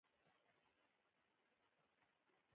ظاهري شتمنۍ نابرابرۍ زیاتوي.